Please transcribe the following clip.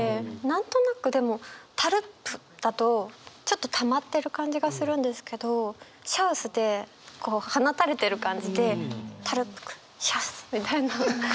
何となくでも「タルップ」だとちょっとたまってる感じがするんですけど「シャウス」でこう放たれてる感じで「タルップ・ク・シャウス」みたいな。